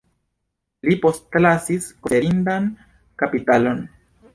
Li postlasis konsiderindan kapitalon.